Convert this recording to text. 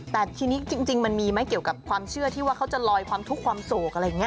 แต่ทีนี้จริงมันมีไหมเกี่ยวกับความเชื่อที่ว่าเขาจะลอยความทุกข์ความโศกอะไรอย่างนี้